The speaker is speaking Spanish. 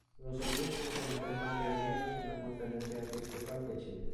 Los obispos se encuentran reunidos en la Conferencia Episcopal de Chile.